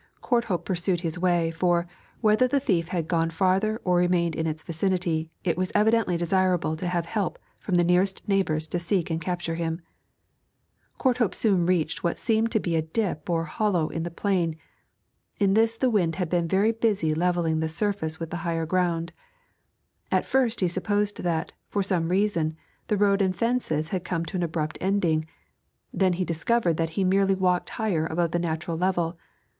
Courthope pursued his way; for, whether the thief had gone farther or remained in this vicinity, it was evidently desirable to have help from the nearest neighbours to seek and capture him. Courthope soon reached what seemed to be a dip or hollow in the plain; in this the wind had been very busy levelling the surface with the higher ground. At first he supposed that, for some reason, road and fences had come to an abrupt ending; then he discovered that he merely walked higher above the natural level.